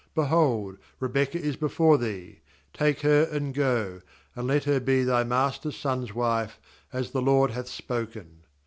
^Behold, Rebekah is before thee, take her, and go, and let her be thy master's son's wife, as the LORD hath spoken.'